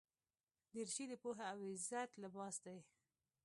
دریشي د پوهې او عزت لباس دی.